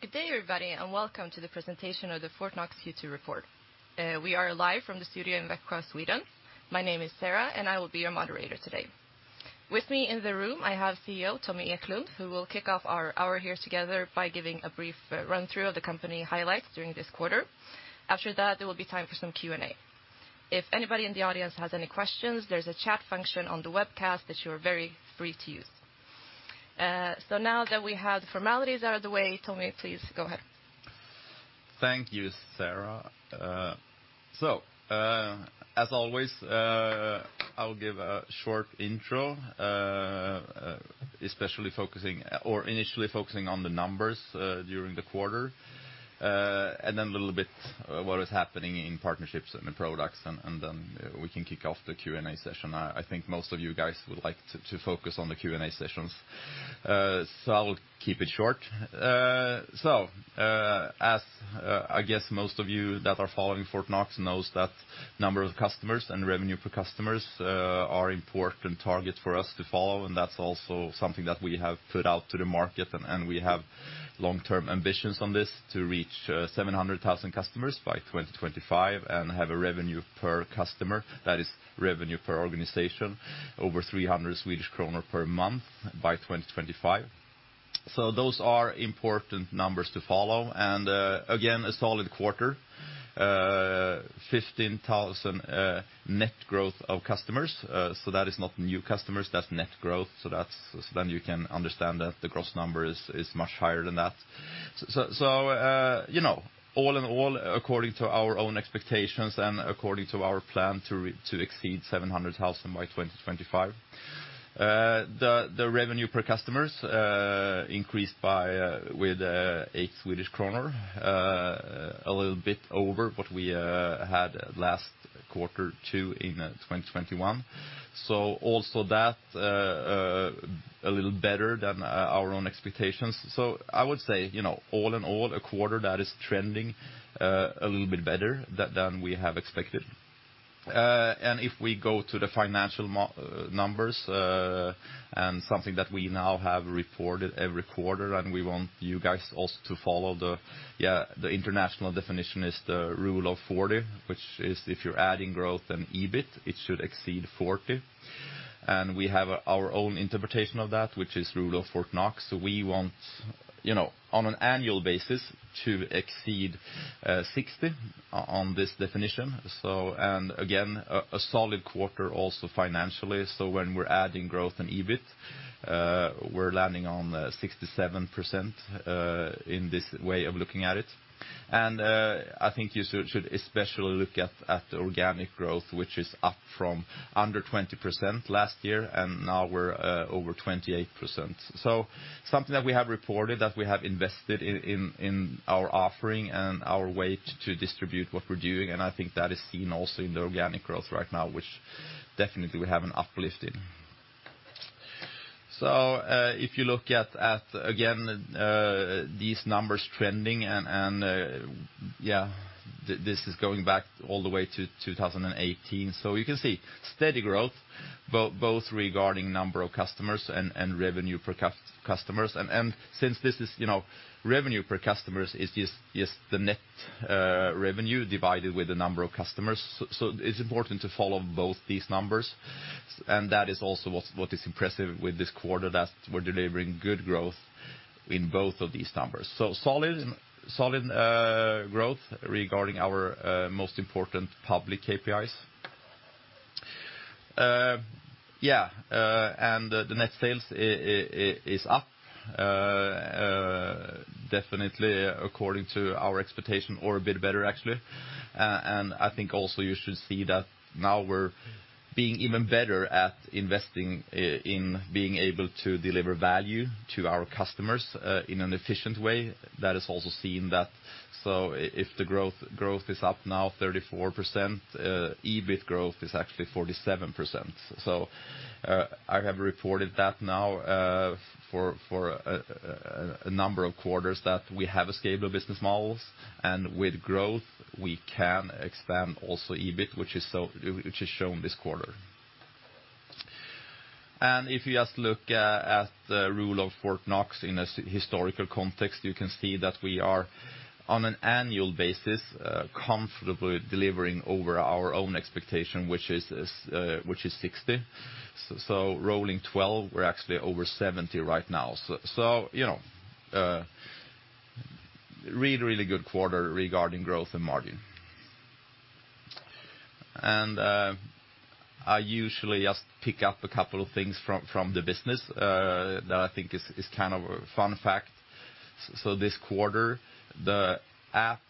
Good day, everybody, and welcome to the Presentation of the Fortnox Q2 Report. We are live from the studio in Växjö, Sweden. My name is Sarah, and I will be your moderator today. With me in the room, I have CEO Tommy Eklund, who will kick off our hour here together by giving a brief run-through of the company highlights during this quarter. After that, there will be time for some Q&A. If anybody in the audience has any questions, there's a chat function on the webcast that you're very free to use. Now that we have the formalities out of the way, Tommy, please go ahead. Thank you, Sarah. As always, I'll give a short intro, especially focusing or initially focusing on the numbers during the quarter, and then a little bit what is happening in partnerships and the products, and then we can kick off the Q&A session. I think most of you guys would like to focus on the Q&A sessions, so I'll keep it short. As I guess most of you that are following Fortnox knows that number of customers and revenue per customers are important targets for us to follow, and that's also something that we have put out to the market. We have long-term ambitions on this to reach 700,000 customers by 2025 and have a revenue per customer, that is revenue per organization, over 300 Swedish kronor per month by 2025. Those are important numbers to follow. Again, a solid quarter. 15,000 net growth of customers. That is not new customers, that's net growth, then you can understand that the gross number is much higher than that. You know, all in all, according to our own expectations and according to our plan to exceed 700,000 by 2025. The revenue per customers increased by 8 Swedish kronor, a little bit over what we had last quarter too in 2021. Also that a little better than our own expectations. I would say, you know, all in all, a quarter that is trending a little bit better than we have expected. if we go to the financial numbers, and something that we now have reported every quarter, and we want you guys also to follow. Yeah, the international definition is the Rule of 40, which is if you're adding growth and EBIT, it should exceed 40. We have our own interpretation of that, which is Rule of Fortnox. we want, you know, on an annual basis, to exceed 60 on this definition. again, a solid quarter also financially. when we're adding growth and EBIT, we're landing on 67% in this way of looking at it. I think you should especially look at organic growth, which is up from under 20% last year, and now we're over 28%. Something that we have reported, that we have invested in our offering and our way to distribute what we're doing, and I think that is seen also in the organic growth right now, which definitely we have an uplift in. If you look at, again, these numbers trending and, yeah, this is going back all the way to 2018. You can see steady growth both regarding number of customers and revenue per customers. Since this is, you know, revenue per customers is just the net revenue divided with the number of customers. It's important to follow both these numbers, and that is also what is impressive with this quarter, that we're delivering good growth in both of these numbers. Solid growth regarding our most important public KPIs. The net sales is up definitely according to our expectation or a bit better actually. I think also you should see that now we're being even better at investing in being able to deliver value to our customers in an efficient way. That is also seen that. If the growth is up now 34%, EBIT growth is actually 47%. I have reported that now, for a number of quarters that we have scalable business models, and with growth, we can expand also EBIT, which is shown this quarter. If you just look at the rule of Fortnox in a historical context, you can see that we are, on an annual basis, comfortably delivering over our own expectation, which is 60%. Rolling 12, we're actually over 70% right now. You know, really good quarter regarding growth and margin. I usually just pick up a couple of things from the business that I think is kind of a fun fact. This quarter, the app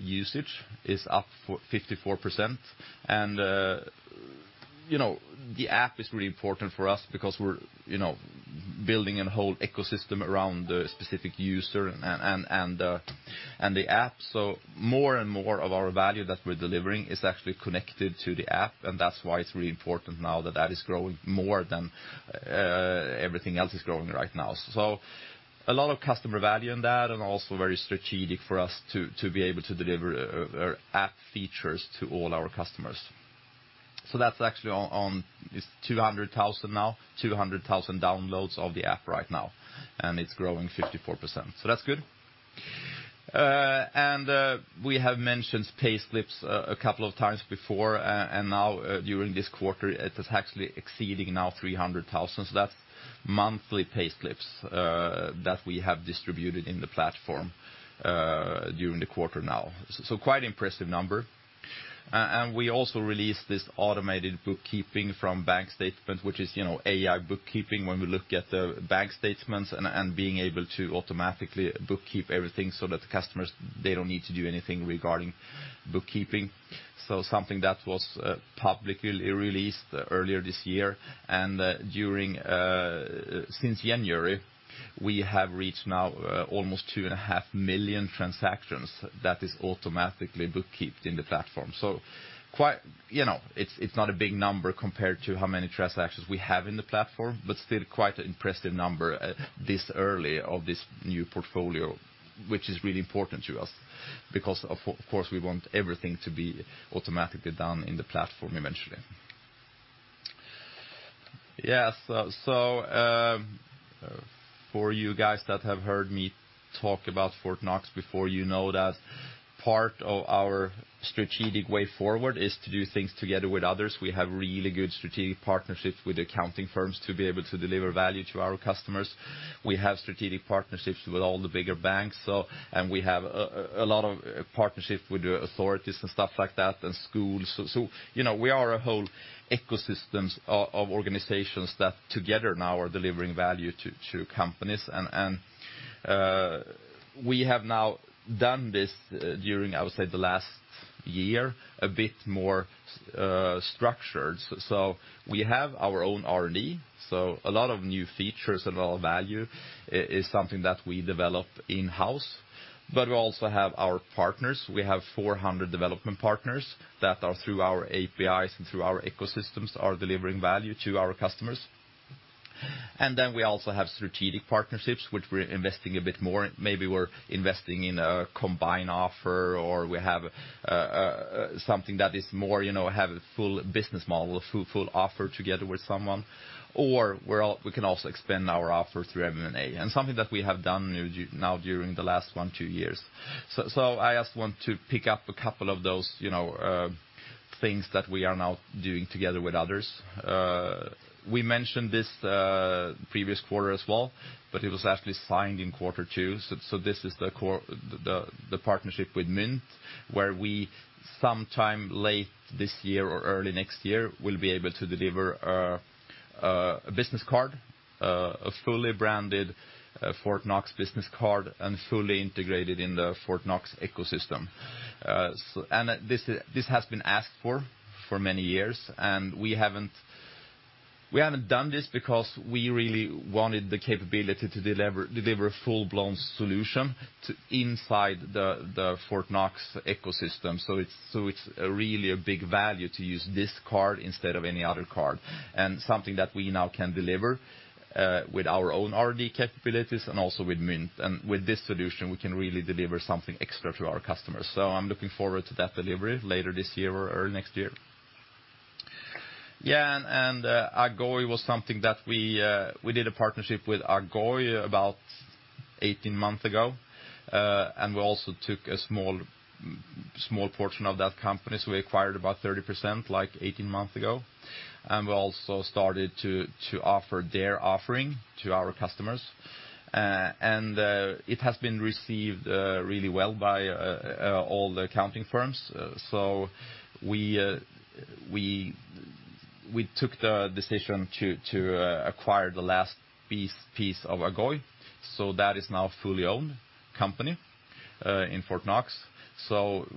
usage is up 54%. You know, the app is really important for us because we're you know, building a whole ecosystem around the specific user and the app. More and more of our value that we're delivering is actually connected to the app, and that's why it's really important now that that is growing more than everything else is growing right now. A lot of customer value in that and also very strategic for us to be able to deliver app features to all our customers. That's actually, it's 200,000 now, 200,000 downloads of the app right now, and it's growing 54%. That's good. We have mentioned payslips a couple of times before, and now during this quarter, it is actually exceeding now 300,000. That's monthly payslips that we have distributed in the platform during the quarter now. Quite impressive number. And we also released this automated bookkeeping from bank statements, which is, you know, AI bookkeeping when we look at the bank statements and being able to automatically bookkeep everything so that customers, they don't need to do anything regarding bookkeeping. Something that was publicly released earlier this year. During since January, we have reached now almost 2.5 million transactions that is automatically bookkept in the platform. You know, it's not a big number compared to how many transactions we have in the platform, but still quite an impressive number this early of this new portfolio, which is really important to us because of course, we want everything to be automatically done in the platform eventually. Yes, for you guys that have heard me talk about Fortnox before, you know that part of our strategic way forward is to do things together with others. We have really good strategic partnerships with accounting firms to be able to deliver value to our customers. We have strategic partnerships with all the bigger banks, and we have a lot of partnerships with the authorities and stuff like that and schools. You know, we are a whole ecosystems of organizations that together now are delivering value to companies. We have now done this during, I would say, the last year, a bit more structured. We have our own R&D. A lot of new features and a lot of value is something that we develop in-house, but we also have our partners. We have 400 development partners that are through our APIs and through our ecosystems, are delivering value to our customers. We also have strategic partnerships, which we're investing a bit more. Maybe we're investing in a combined offer, or we have something that is more, have a full business model, a full offer together with someone. Or we can also expand our offer through M&A. Something that we have done now during the last one-two years. I just want to pick up a couple of those things that we are now doing together with others. We mentioned this previous quarter as well, but it was actually signed in quarter two. This is the partnership with Mynt, where we some time late this year or early next year will be able to deliver a business card, a fully branded Fortnox business card and fully integrated in the Fortnox ecosystem. This has been asked for many years, and we haven't done this because we really wanted the capability to deliver a full-blown solution inside the Fortnox ecosystem. It's really a big value to use this card instead of any other card, and something that we now can deliver with our own R&D capabilities and also with Mynt. With this solution, we can really deliver something extra to our customers. I'm looking forward to that delivery later this year or early next year. Yeah, Agoy was something that we did a partnership with Agoy about 18 months ago, and we also took a small portion of that company. We acquired about 30%, like 18 months ago, and we also started to offer their offering to our customers. It has been received really well by all the accounting firms. We took the decision to acquire the last piece of Agoy. That is now a fully owned company in Fortnox.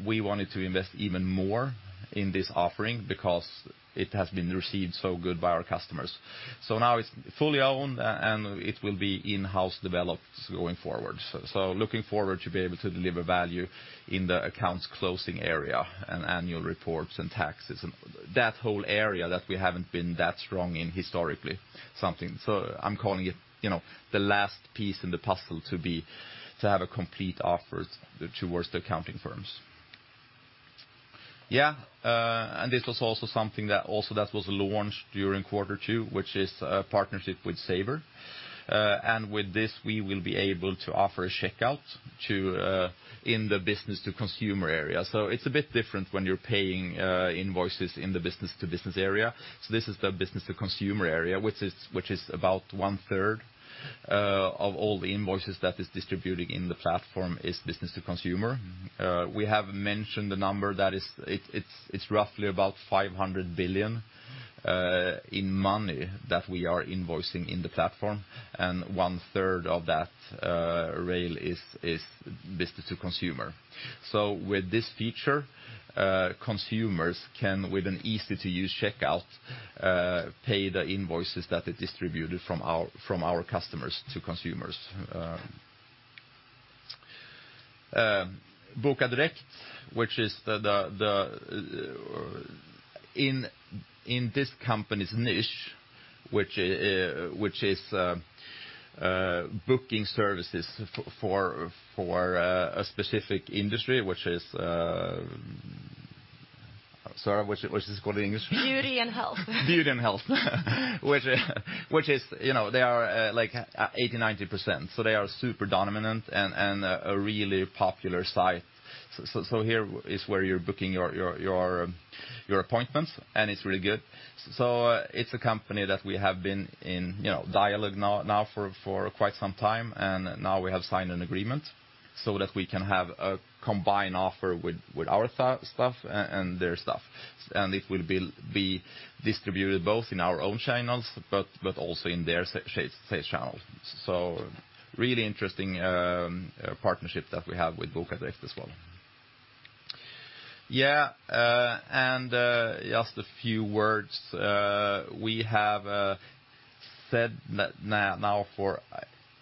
We wanted to invest even more in this offering because it has been received so good by our customers. Now it's fully owned and it will be in-house developed going forward. Looking forward to be able to deliver value in the accounts closing area and annual reports and taxes and that whole area that we haven't been that strong in historically, something. I'm calling it, you know, the last piece in the puzzle to have a complete offer towards the accounting firms. This was also something that was launched during quarter two, which is a partnership with Svea. With this, we will be able to offer a checkout to in the business to consumer area. It's a bit different when you're paying invoices in the business to business area. This is the business to consumer area, which is about 1/3 of all the invoices that is distributed in the platform is business to consumer. We have mentioned the number. It's roughly 500 billion in money that we are invoicing in the platform. One-third of that real is business to consumer. With this feature, consumers can, with an easy-to-use checkout, pay the invoices that are distributed from our customers to consumers. Bokadirekt, which is in this company's niche, which is booking services for a specific industry, which is, sorry, what's this called in English? Beauty and health. Beauty and health. You know, they are like 80%-90%, so they are super dominant and a really popular site. Here is where you're booking your appointments, and it's really good. It's a company that we have been in dialogue for quite some time, and now we have signed an agreement so that we can have a combined offer with our stuff and their stuff. It will be distributed both in our own channels, but also in their sales channels. Really interesting partnership that we have with Bokadirekt as well. Yeah, just a few words. We have said now for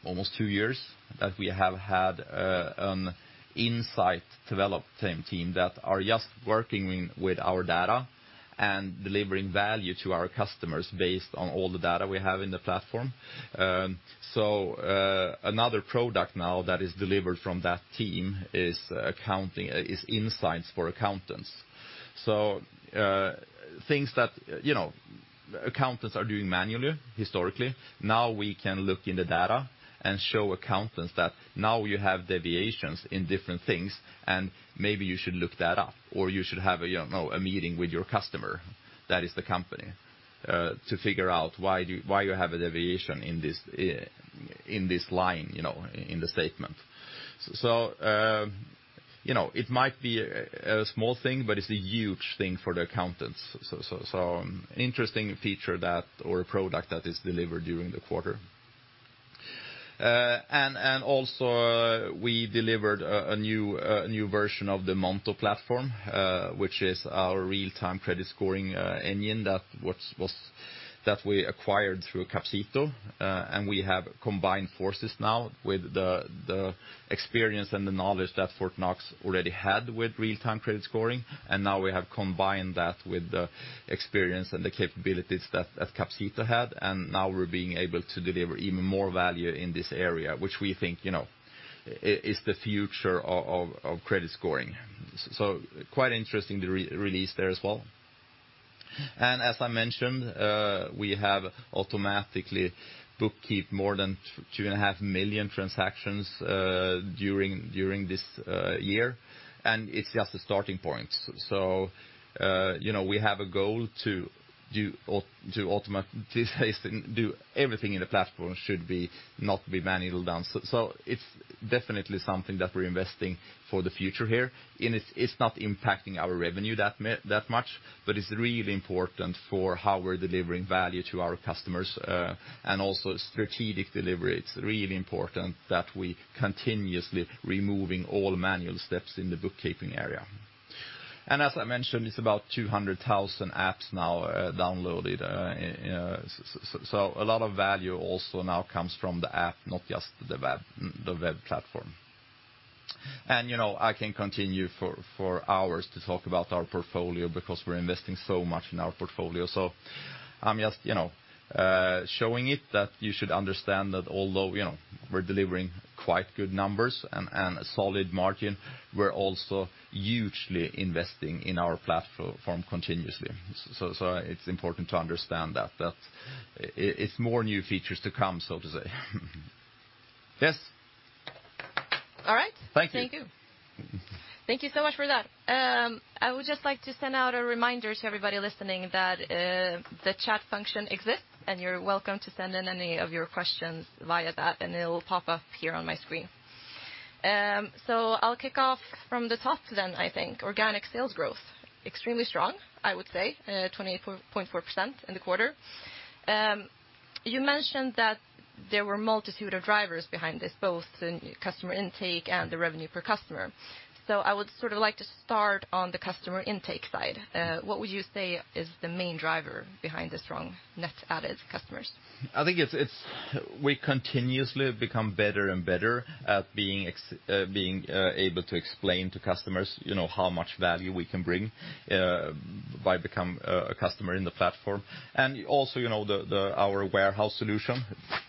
almost two years that we have had an insight development team that are just working with our data and delivering value to our customers based on all the data we have in the platform. Another product now that is delivered from that team is insights for accountants. Things that, you know, accountants are doing manually historically, now we can look in the data and show accountants that now you have deviations in different things, and maybe you should look that up, or you should have, you know, a meeting with your customer, that is the company, to figure out why you have a deviation in this line, you know, in the statement. You know, it might be a small thing, but it's a huge thing for the accountants. Interesting feature or a product that is delivered during the quarter. Also we delivered a new version of the Monto platform, which is our real-time credit scoring engine that we acquired through Capcito. We have combined forces now with the experience and the knowledge that Fortnox already had with real-time credit scoring, and now we have combined that with the experience and the capabilities that Capcito had, and now we're being able to deliver even more value in this area, which we think is the future of credit scoring. Quite interesting re-release there as well. As I mentioned, we have automatically bookkeep more than 2.5 million transactions during this year, and it's just a starting point. You know, we have a goal to automate and do everything in the platform should not be manually done. It's definitely something that we're investing for the future here, and it's not impacting our revenue that much, but it's really important for how we're delivering value to our customers and also strategic delivery. It's really important that we continuously removing all manual steps in the bookkeeping area. As I mentioned, it's about 200,000 apps now downloaded, so a lot of value also now comes from the app, not just the web, the web platform. You know, I can continue for hours to talk about our portfolio because we're investing so much in our portfolio. I'm just, you know, showing it that you should understand that although, you know, we're delivering quite good numbers and a solid margin, we're also hugely investing in our platform continuously. So it's important to understand that it's more new features to come, so to say. Yes. All right. Thank you. Thank you. Thank you so much for that. I would just like to send out a reminder to everybody listening that the chat function exists, and you're welcome to send in any of your questions via that, and it'll pop up here on my screen. I'll kick off from the top then, I think. Organic sales growth, extremely strong, I would say, 28.4% in the quarter. You mentioned that there were a multitude of drivers behind this, both in customer intake and the revenue per customer. I would sort of like to start on the customer intake side. What would you say is the main driver behind the strong net added customers? I think it's we continuously become better and better at being able to explain to customers, you know, how much value we can bring by become a customer in the platform. Also, you know, our warehouse solution,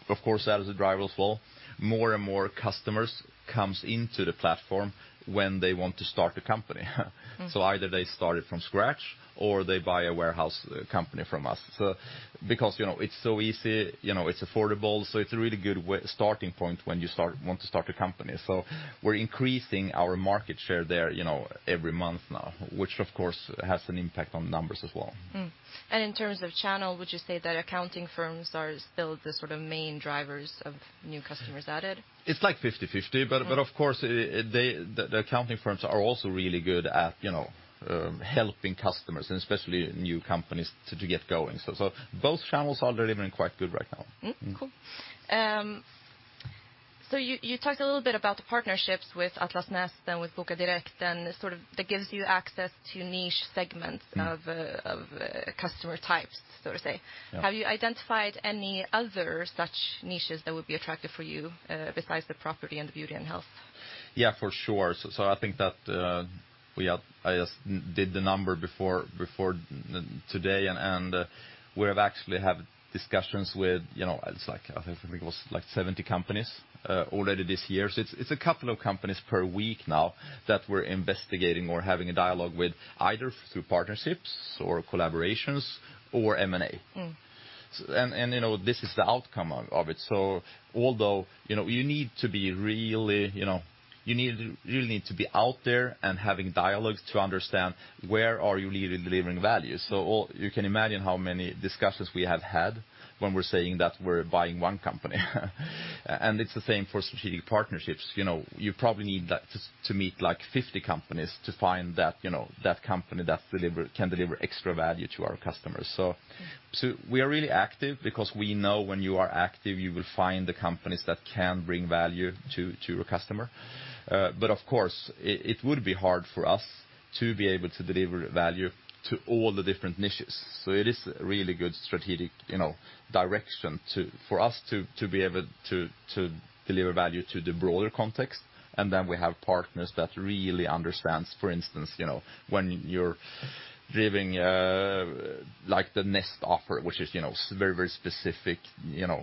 of course, that is a driver as well. More and more customers comes into the platform when they want to start a company. Either they start it from scratch or they buy a shelf company from us. Because, you know, it's so easy, you know, it's affordable, so it's a really good starting point when you want to start a company. We're increasing our market share there, you know, every month now, which of course has an impact on numbers as well. In terms of channel, would you say that accounting firms are still the sort of main drivers of new customers added? It's like 50/50, but of course, they the accounting firms are also really good at, you know, helping customers, and especially new companies to get going. Both channels are delivering quite good right now. Cool. You talked a little bit about the partnerships with Fastighetsnet and with Bokadirekt, and sort of that gives you access to niche segments of customer types, so to say. Yeah. Have you identified any other such niches that would be attractive for you, besides the property and the beauty and health? Yeah, for sure. I think that I just did the number before today, and we actually have discussions with, you know, it's like, I think it was like 70 companies already this year. It's a couple of companies per week now that we're investigating or having a dialogue with either through partnerships or collaborations or M&A. Mm. You know, this is the outcome of it. Although, you know, you need to be really, you know, you need to be out there and having dialogues to understand where are you really delivering value. You can imagine how many discussions we have had when we're saying that we're buying one company. It's the same for strategic partnerships. You know, you probably need that to meet like 50 companies to find that, you know, that company that can deliver extra value to our customers. Mm. We are really active because we know when you are active, you will find the companies that can bring value to your customer. But of course, it would be hard for us to be able to deliver value to all the different niches. It is a really good strategic, you know, direction for us to be able to deliver value to the broader context. Then we have partners that really understands, for instance, you know, when you're driving like the Fastighetsnet offer, which is, you know, very, very specific, you know.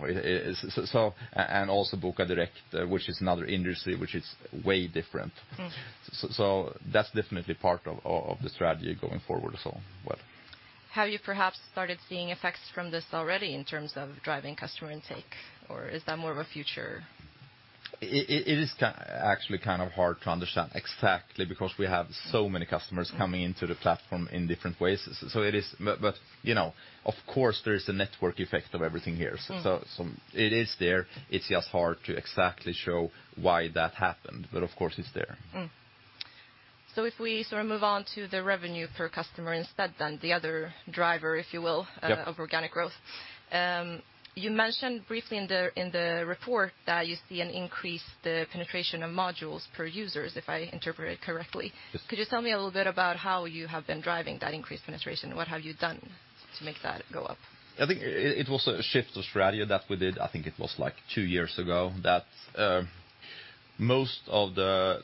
And also Bokadirekt, which is another industry which is way different. Mm. That's definitely part of the strategy going forward as well. Have you perhaps started seeing effects from this already in terms of driving customer intake, or is that more of a future? It is actually kind of hard to understand exactly because we have so many customers coming into the platform in different ways. You know, of course there is a network effect of everything here. Mm. It is there. It's just hard to exactly show why that happened, but of course it's there. If we sort of move on to the revenue per customer instead, then the other driver, if you will. Yep. of organic growth. You mentioned briefly in the report that you see an increased penetration of modules per users, if I interpret correctly. Yes. Could you tell me a little bit about how you have been driving that increased penetration? What have you done to make that go up? I think it was a shift of strategy that we did. I think it was like two years ago that most of the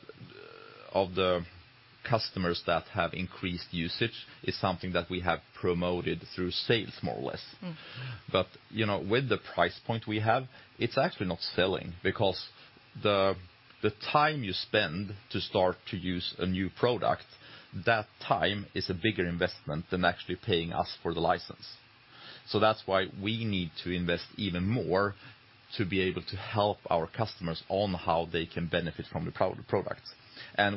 customers that have increased usage is something that we have promoted through sales more or less. Mm. You know, with the price point we have, it's actually not selling because the time you spend to start to use a new product, that time is a bigger investment than actually paying us for the license. That's why we need to invest even more to be able to help our customers on how they can benefit from the pro-product.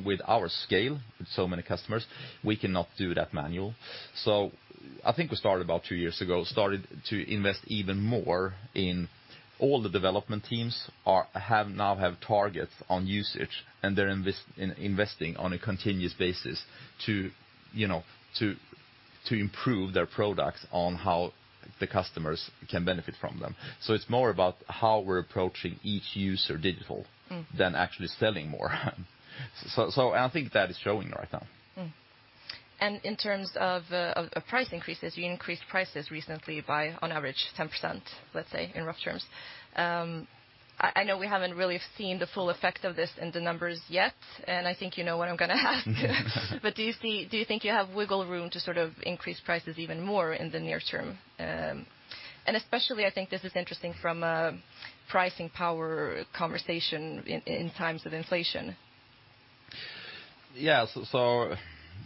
With our scale, with so many customers, we cannot do that manually. I think we started about two years ago to invest even more in all the development teams now have targets on usage, and they're investing on a continuous basis to, you know, improve their products on how the customers can benefit from them. It's more about how we're approaching each user digital. Mm. than actually selling more. I think that is showing right now. In terms of price increases, you increased prices recently by on average 10%, let's say, in rough terms. I know we haven't really seen the full effect of this in the numbers yet, and I think you know what I'm gonna ask. Do you think you have wiggle room to sort of increase prices even more in the near term? Especially I think this is interesting from a pricing power conversation in times of inflation. Yeah.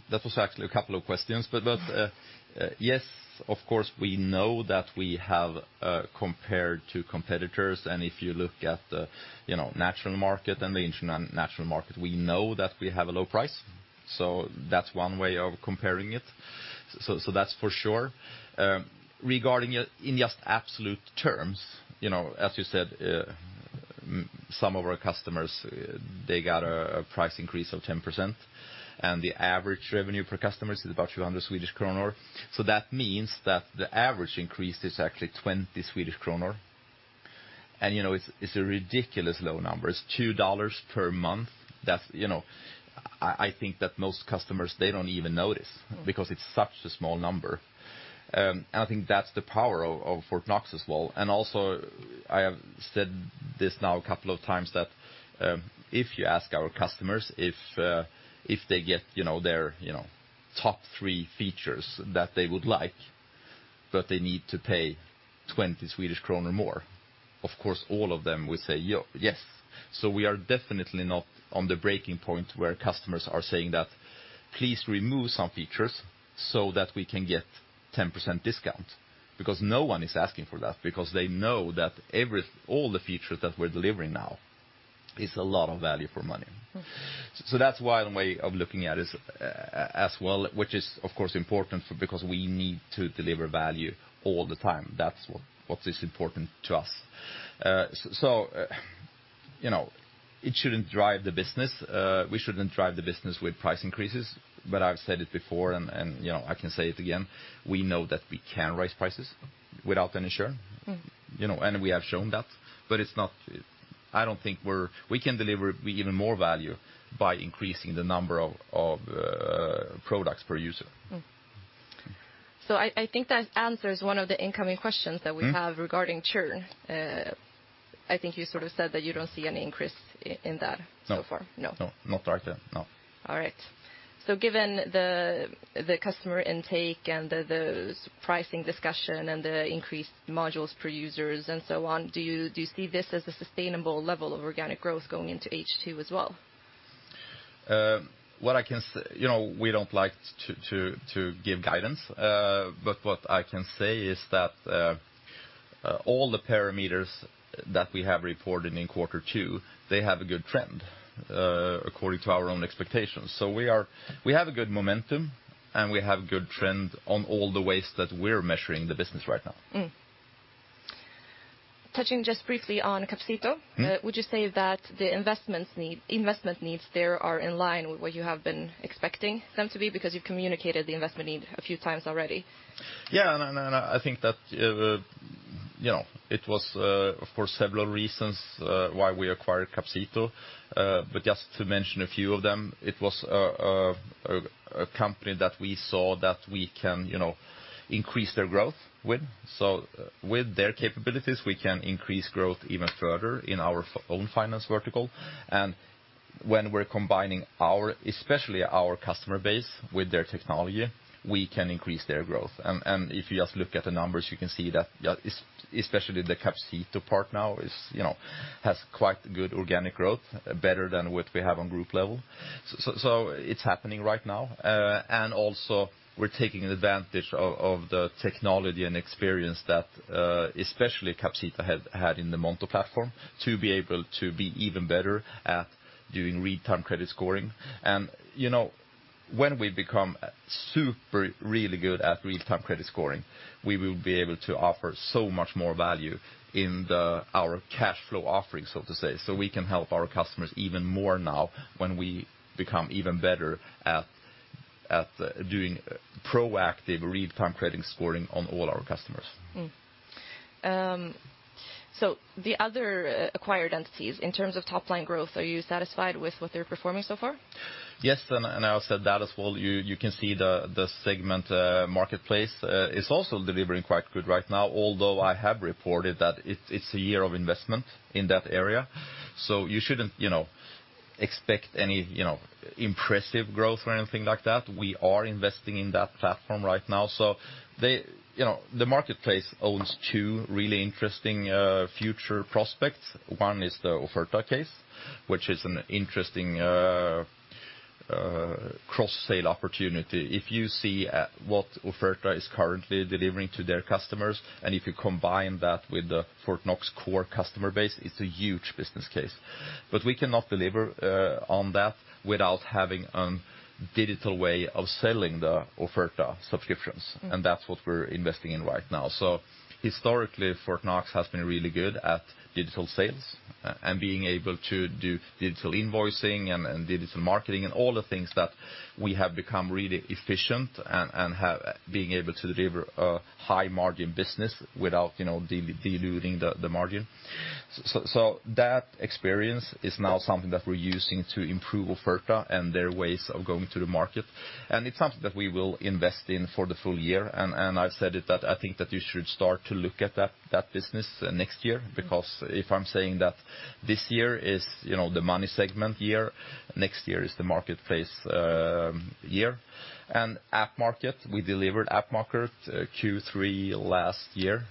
That was actually a couple of questions. Mm-hmm. Yes, of course, we know that we have compared to competitors, and if you look at the, you know, natural market and the international market, we know that we have a low price. That's one way of comparing it. That's for sure. Regarding it in just absolute terms, you know, as you said, some of our customers, they got a price increase of 10%, and the average revenue per customer is about 200 Swedish kronor. That means that the average increase is actually 20 Swedish kronor. You know, it's a ridiculously low number. It's $2 per month. That's, you know. I think that most customers, they don't even notice. Mm. Because it's such a small number. I think that's the power of Fortnox as well. I have said this now a couple of times that if you ask our customers if they get, you know, their, you know, top three features that they would like, but they need to pay 20 Swedish kronor more, of course, all of them will say yes. We are definitely not on the breaking point where customers are saying that, "Please remove some features so that we can get 10% discount," because no one is asking for that because they know that all the features that we're delivering now is a lot of value for money. Mm. That's one way of looking at it as well, which is of course important because we need to deliver value all the time. That's what is important to us. You know, it shouldn't drive the business. We shouldn't drive the business with price increases. I've said it before and, you know, I can say it again, we know that we can raise prices without any share. Mm. You know, we have shown that. We can deliver even more value by increasing the number of products per user. I think that answers one of the incoming questions that we have. Mm-hmm. Regarding churn. I think you sort of said that you don't see any increase in that so far. No. No. No, not right there, no. All right. Given the customer intake and the pricing discussion and the increased modules per users and so on, do you see this as a sustainable level of organic growth going into H2 as well? You know, we don't like to give guidance. What I can say is that all the parameters that we have reported in quarter two, they have a good trend according to our own expectations. We have a good momentum, and we have good trend on all the ways that we're measuring the business right now. Touching just briefly on Capcito. Mm-hmm. Would you say that the investment needs there are in line with what you have been expecting them to be? Because you've communicated the investment need a few times already. Yeah. No, no, I think that, you know, it was for several reasons why we acquired Capcito. Just to mention a few of them, it was a company that we saw that we can, you know, increase their growth with. With their capabilities, we can increase growth even further in our own finance vertical. When we're combining our, especially our customer base with their technology, we can increase their growth. If you just look at the numbers, you can see that, especially the Capcito part now is, you know, has quite good organic growth, better than what we have on group level. It's happening right now. also we're taking advantage of the technology and experience that especially Capcito had in the Monto platform to be able to be even better at doing real-time credit scoring. You know, when we become super really good at real-time credit scoring, we will be able to offer so much more value in our cash flow offering, so to say. We can help our customers even more now when we become even better at doing proactive real-time credit scoring on all our customers. The other acquired entities, in terms of top-line growth, are you satisfied with what they're performing so far? Yes, I would say that as well. You can see the segment marketplace is also delivering quite good right now, although I have reported that it's a year of investment in that area. You shouldn't, you know, expect any, you know, impressive growth or anything like that. We are investing in that platform right now. You know, the marketplace owns two really interesting future prospects. One is the Offerta case, which is an interesting cross-sale opportunity. If you see what Offerta is currently delivering to their customers, and if you combine that with the Fortnox core customer base, it's a huge business case. We cannot deliver on that without having a digital way of selling the Offerta subscriptions, and that's what we're investing in right now. Historically, Fortnox has been really good at digital sales and being able to do digital invoicing and digital marketing and all the things that we have become really efficient and being able to deliver a high-margin business without, you know, diluting the margin. That experience is now something that we're using to improve Offerta and their ways of going to the market, and it's something that we will invest in for the full year. I've said it that I think that you should start to look at that business next year. Mm-hmm. Because if I'm saying that this year is, you know, the money segment year, next year is the marketplace year. App Market, we delivered App Market Q3 last year.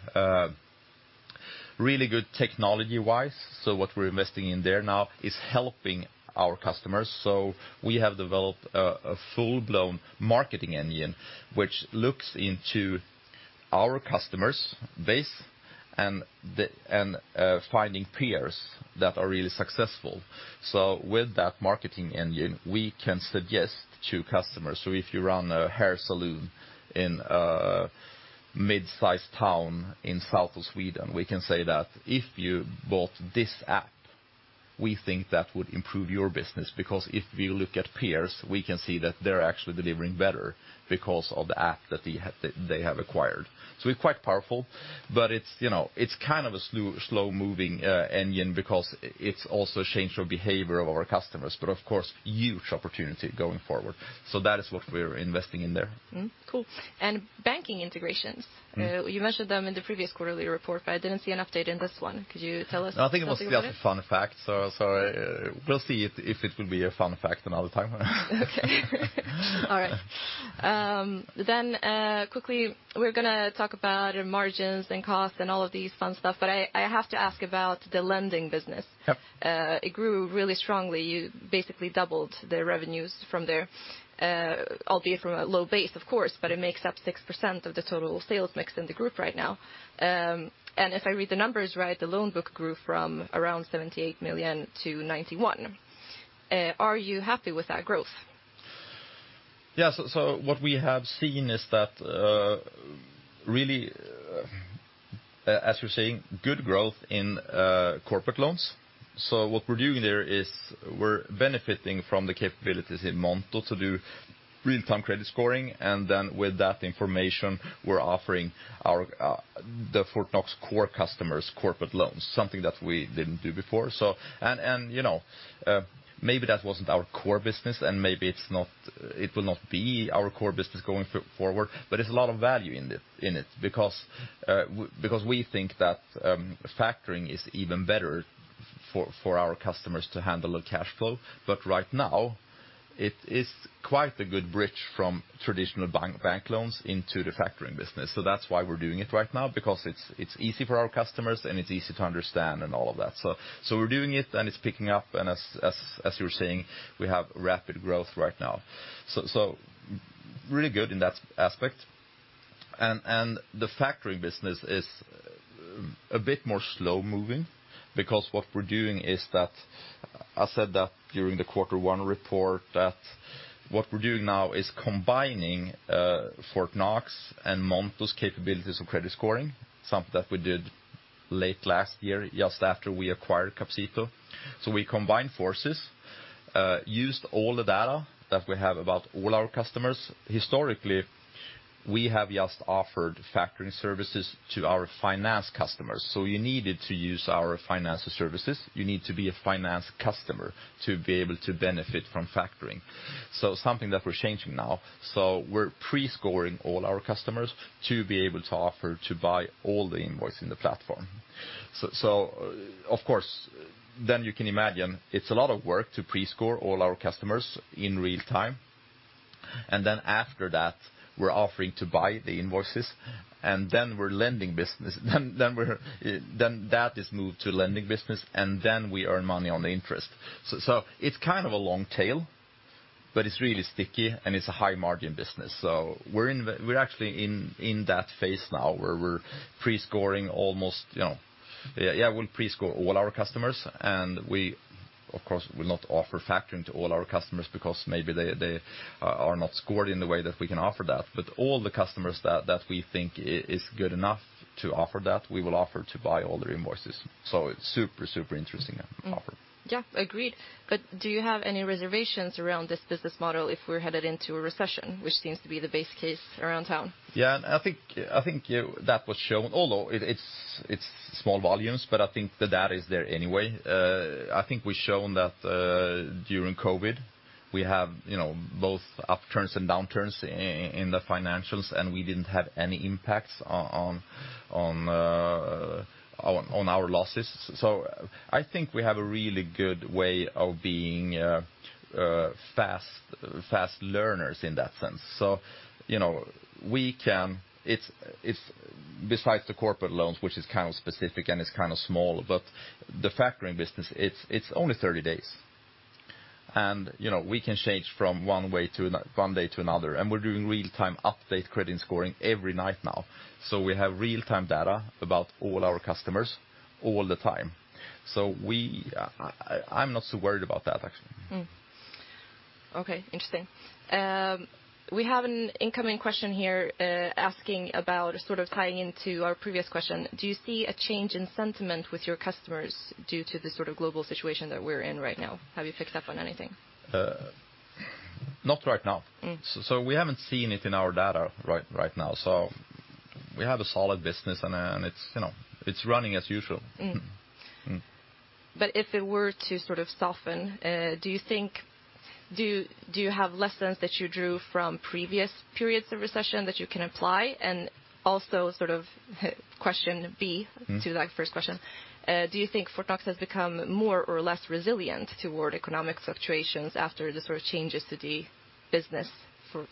Really good technology-wise. What we're investing in there now is helping our customers. We have developed a full-blown marketing engine which looks into our customers base and finding peers that are really successful. With that marketing engine, we can suggest to customers, if you run a hair salon in a mid-sized town in south of Sweden, we can say that, "If you bought this app, we think that would improve your business, because if you look at peers, we can see that they're actually delivering better because of the app that they have acquired." It's quite powerful, but it's, you know, it's kind of a slow-moving engine because it's also a change of behavior of our customers, but of course, huge opportunity going forward. That is what we're investing in there. Cool. Banking integrations. Mm. You mentioned them in the previous quarterly report, but I didn't see an update in this one. Could you tell us something about it? I think it was just a fun fact. We'll see if it will be a fun fact another time. Okay. All right. Quickly, we're gonna talk about margins and costs and all of this fun stuff, but I have to ask about the lending business. Yep. It grew really strongly. You basically doubled the revenues from there, albeit from a low base, of course, but it makes up 6% of the total sales mix in the group right now. If I read the numbers right, the loan book grew from around 78 million to 91 million. Are you happy with that growth? Yeah. What we have seen is that, really, as you're saying, good growth in corporate loans. What we're doing there is we're benefiting from the capabilities in Monto to do real-time credit scoring, and then with that information, we're offering our the Fortnox core customers corporate loans, something that we didn't do before. You know, maybe that wasn't our core business and maybe it's not, it will not be our core business going forward, but there's a lot of value in it because we think that factoring is even better for our customers to handle the cash flow. Right now, it is quite a good bridge from traditional bank loans into the factoring business. That's why we're doing it right now because it's easy for our customers, and it's easy to understand and all of that. We're doing it, and it's picking up, and as you're saying, we have rapid growth right now. Really good in that aspect. The factoring business is a bit more slow-moving because what we're doing is that I said that during the quarter one report, that what we're doing now is combining Fortnox and Monto capabilities of credit scoring, something that we did late last year just after we acquired Capcito. We combined forces, used all the data that we have about all our customers. Historically, we have just offered factoring services to our finance customers. You needed to use our finance services, you need to be a finance customer to be able to benefit from factoring. Something that we're changing now. We're pre-scoring all our customers to be able to offer to buy all the invoices in the platform. Of course, then you can imagine it's a lot of work to pre-score all our customers in real-time. After that, we're offering to buy the invoices, and then we're lending business. That is moved to lending business, and then we earn money on the interest. It's kind of a long tail, but it's really sticky, and it's a high margin business. We're actually in that phase now where we're pre-scoring almost, you know... Yeah, yeah, we'll pre-score all our customers, and we of course will not offer factoring to all our customers because maybe they are not scored in the way that we can offer that. But all the customers that we think is good enough to offer that, we will offer to buy all their invoices. It's super interesting offer. Yeah, agreed. Do you have any reservations around this business model if we're headed into a recession, which seems to be the base case around town? I think that was shown, although it's small volumes, but I think the data is there anyway. I think we've shown that during COVID, we have, you know, both upturns and downturns in the financials, and we didn't have any impacts on our losses. I think we have a really good way of being fast learners in that sense. Besides the corporate loans, which is kind of specific and it's kind of small, but the factoring business, it's only 30 days. You know, we can change from one day to another. We're doing real-time update credit scoring every night now. We have real-time data about all our customers all the time. I'm not so worried about that, actually. Okay, interesting. We have an incoming question here, asking about sort of tying into our previous question. Do you see a change in sentiment with your customers due to the sort of global situation that we're in right now? Have you picked up on anything? Not right now. Mm. We haven't seen it in our data right now. We have a solid business and it's, you know, it's running as usual. Mm. Mm. If it were to sort of soften, do you have lessons that you drew from previous periods of recession that you can apply? Also sort of question B. Mm. To that first question, do you think Fortnox has become more or less resilient toward economic fluctuations after the sort of changes to the business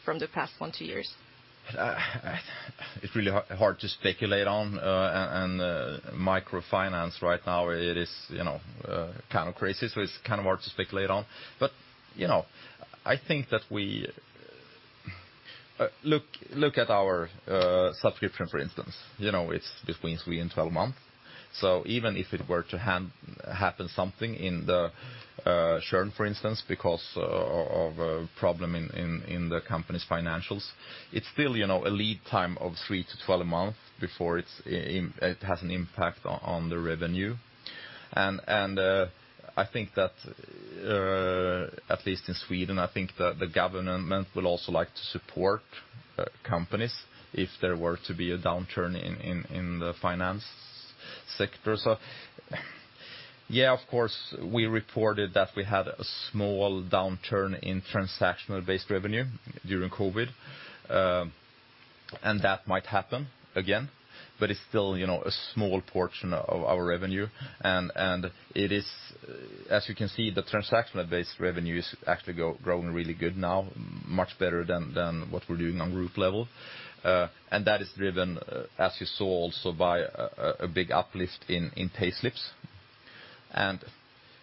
from the past one, two years? It's really hard to speculate on microfinance right now. It is, you know, kind of crazy, so it's kind of hard to speculate on. You know, I think that we look at our subscription, for instance. You know, it's between three and 12 months. Even if it were to happen something in the churn, for instance, because of a problem in the company's financials, it's still, you know, a lead time of three to 12 months before it has an impact on the revenue. I think that, at least in Sweden, I think the government will also like to support companies if there were to be a downturn in the finance sector. Yeah, of course, we reported that we had a small downturn in transactional-based revenue during COVID, and that might happen again, but it's still, you know, a small portion of our revenue. And it is, as you can see, the transactional-based revenue is actually growing really good now, much better than what we're doing on group level. That is driven, as you saw also, by a big uplift in payslips.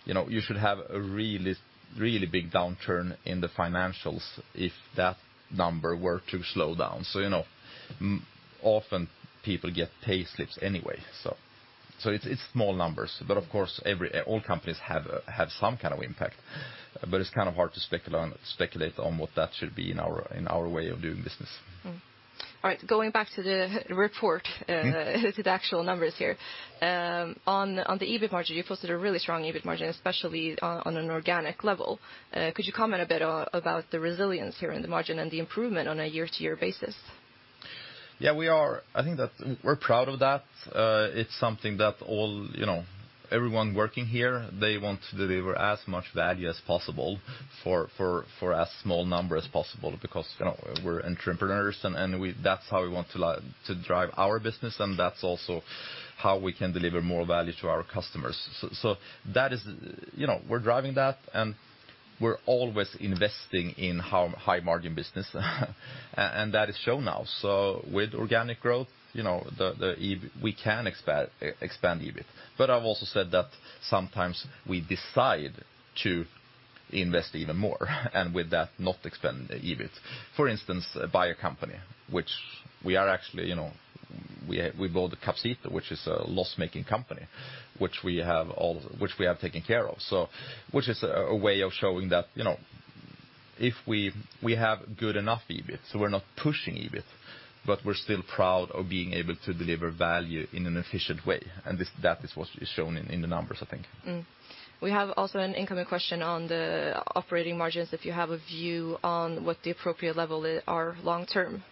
You know, you should have a really big downturn in the financials if that number were to slow down. You know, often people get payslips anyway, so it's small numbers. But of course, all companies have some kind of impact. But it's kind of hard to speculate on what that should be in our way of doing business. All right, going back to the report, to the actual numbers here. On the EBIT margin, you posted a really strong EBIT margin, especially on an organic level. Could you comment a bit about the resilience here in the margin and the improvement on a year-to-year basis? Yeah, I think that we're proud of that. It's something that all, you know, everyone working here, they want to deliver as much value as possible for as small number as possible because, you know, we're entrepreneurs and that's how we want to drive our business and that's also how we can deliver more value to our customers. That is. You know, we're driving that, and we're always investing in high margin business, and that is shown now. With organic growth, you know, we can expand EBIT. I've also said that sometimes we decide to invest even more, and with that not expand the EBIT. For instance, buy a company, which we are actually, you know, we bought Capcito, which is a loss-making company, which we have taken care of. Which is a way of showing that, you know, if we have good enough EBIT, so we're not pushing EBIT, but we're still proud of being able to deliver value in an efficient way, and that is what is shown in the numbers, I think. We have also an incoming question on the operating margins, if you have a view on what the appropriate level are long term.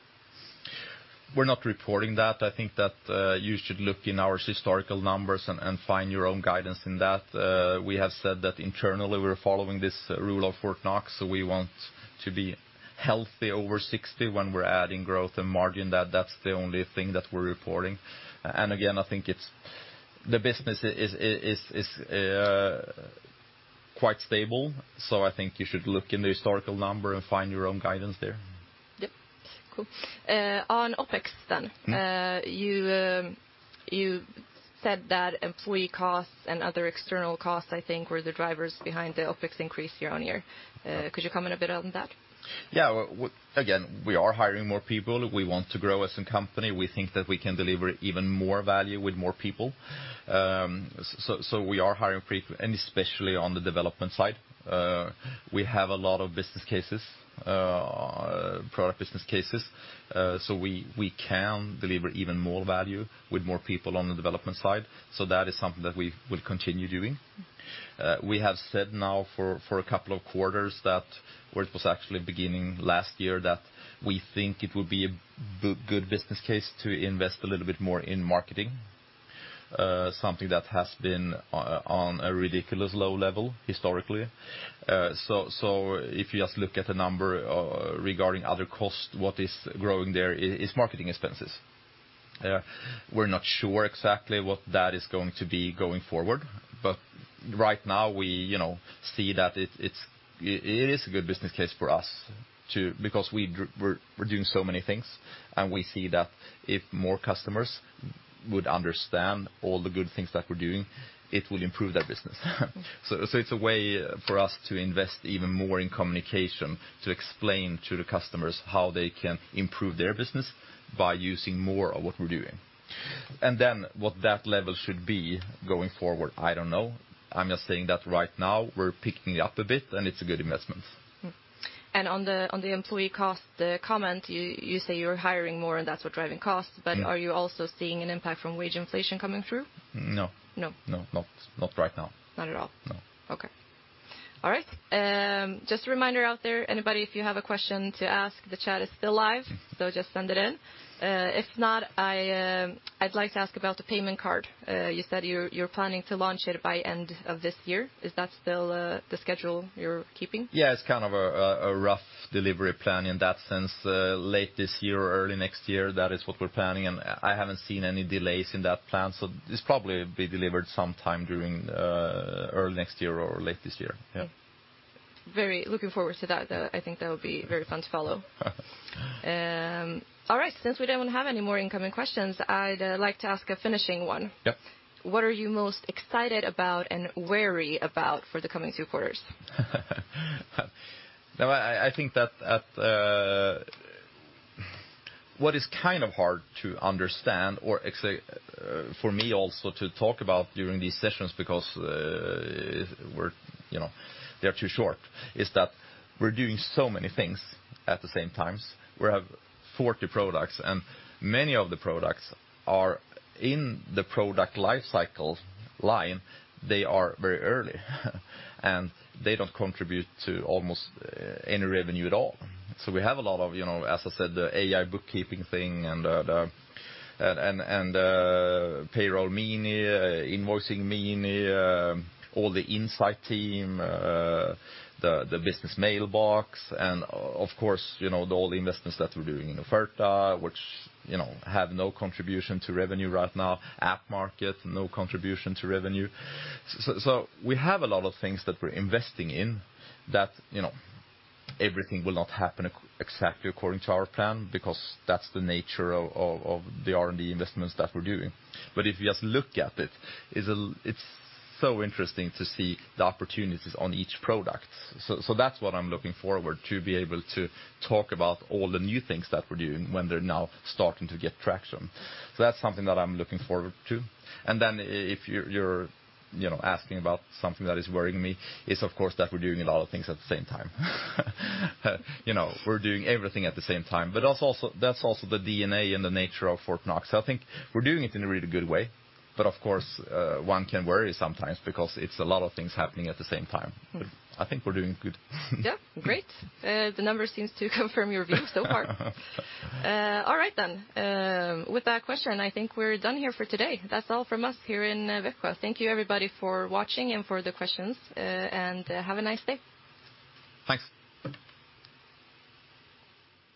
We're not reporting that. I think that you should look in our historical numbers and find your own guidance in that. We have said that internally we're following this Rule of Fortnox, so we want to be healthy over 60 when we're adding growth and margin, that's the only thing that we're reporting. Again, I think the business is quite stable, so I think you should look in the historical number and find your own guidance there. Yep. Cool. On OpEx then. Mm-hmm. You said that employee costs and other external costs, I think, were the drivers behind the OpEx increase year-over-year. Could you comment a bit on that? Yeah. We are hiring more people. We want to grow as a company. We think that we can deliver even more value with more people. We are hiring frequently, and especially on the development side. We have a lot of business cases, product business cases, so we can deliver even more value with more people on the development side. That is something that we will continue doing. We have said now for a couple of quarters that, or it was actually beginning last year, that we think it would be a good business case to invest a little bit more in marketing, something that has been on a ridiculous low level historically. If you just look at the number, regarding other costs, what is growing there is marketing expenses. We're not sure exactly what that is going to be going forward, but right now we, you know, see that it is a good business case for us because we're doing so many things, and we see that if more customers would understand all the good things that we're doing, it will improve their business. It's a way for us to invest even more in communication to explain to the customers how they can improve their business by using more of what we're doing. What that level should be going forward, I don't know. I'm just saying that right now we're picking it up a bit and it's a good investment. On the employee cost comment, you say you're hiring more and that's what driving costs. Yeah. Are you also seeing an impact from wage inflation coming through? No. No. No, not right now. Not at all? No. Okay. All right. Just a reminder out there, anybody, if you have a question to ask, the chat is still live, so just send it in. If not, I'd like to ask about the payment card. You said you're planning to launch it by end of this year. Is that still the schedule you're keeping? Yeah, it's kind of a rough delivery plan in that sense. Late this year or early next year, that is what we're planning, and I haven't seen any delays in that plan. This probably be delivered sometime during early next year or late this year. Yeah. Very looking forward to that, though. I think that'll be very fun to follow. All right. Since we don't have any more incoming questions, I'd like to ask a finishing one. Yeah. What are you most excited about and wary about for the coming two quarters? No, I think that what is kind of hard to understand or actually for me also to talk about during these sessions because, we're, you know, they're too short, is that we're doing so many things at the same time. We have 40 products, and many of the products are in the product life cycle line. They are very early, and they don't contribute to almost any revenue at all. We have a lot of, you know, as I said, the AI bookkeeping thing and the Payroll Mini, Invoicing Mini, all the insight team, the business mailbox, and of course, you know, all the investments that we're doing in Offerta, which you know have no contribution to revenue right now. App Market, no contribution to revenue. We have a lot of things that we're investing in that, you know, everything will not happen exactly according to our plan because that's the nature of the R&D investments that we're doing. If you just look at it's so interesting to see the opportunities on each product. That's what I'm looking forward to be able to talk about all the new things that we're doing when they're now starting to get traction. That's something that I'm looking forward to. If you're, you know, asking about something that is worrying me, it's of course that we're doing a lot of things at the same time. You know, we're doing everything at the same time, but that's also the DNA and the nature of Fortnox. I think we're doing it in a really good way, but of course, one can worry sometimes because it's a lot of things happening at the same time. Mm-hmm. I think we're doing good. Yeah. Great. The numbers seems to confirm your view so far. All right then. With that question, I think we're done here for today. That's all from us here in Växjö. Thank you, everybody, for watching and for the questions, and have a nice day. Thanks.